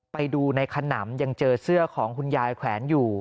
ไปดูในขนำยังเจอเสื้อของคุณยายแขวนอยู่